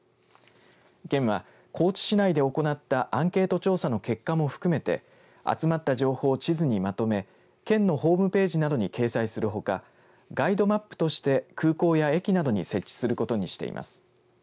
県は高知市内で行ったアンケート調査の結果も含めて集まった情報を地図にまとめ県のホームページなどに掲載するほかガイドマップとして空港や駅などに設置することにしています。